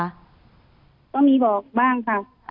ก็มีบอกบ้างค่ะ